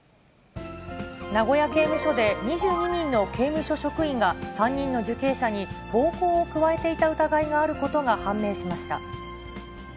名古屋刑務所で、２２人の刑務所職員が、３人の受刑者に暴行を加えていた疑いがあることが判明しました。